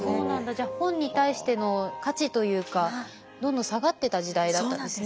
じゃあ本に対しての価値というかどんどん下がってた時代だったんですね